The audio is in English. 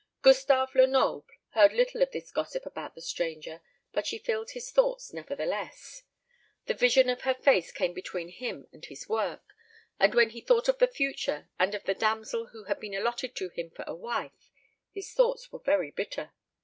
Gustave Lenoble heard little of this gossip about the stranger, but she filled his thoughts nevertheless. The vision of her face came between him and his work; and when he thought of the future, and of the damsel who had been allotted to him for a wife, his thoughts were very bitter.